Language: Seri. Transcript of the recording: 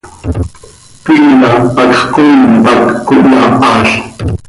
Piila hacx coii pac cohyaahal.